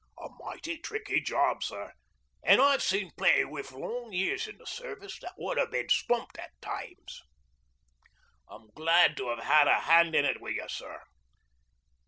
A mighty tricky job, sir, and I've seen plenty with long years in the Service that would ha' been stumped at times. I'm glad to have had a hand in it wi' you, sir.